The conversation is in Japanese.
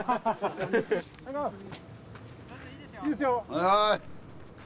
はい。